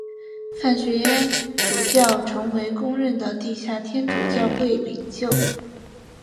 范学淹主教成为公认的地下天主教会领袖。